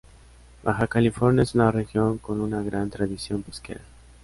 Baja California es una región con una gran tradición pesquera.